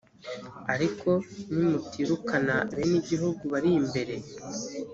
ariko nimutirukana bene igihugu bari imbere